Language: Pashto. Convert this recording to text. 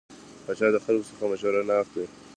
پاچا د خلکو څخه مشوره نه اخلي .